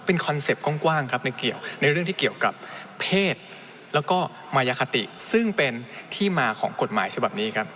เป็นคอนเซ็ปต์กว้างครับในเกี่ยวในเรื่องที่เกี่ยวกับเพศแล้วก็มายคติซึ่งเป็นที่มาของกฎหมายฉบับนี้ครับ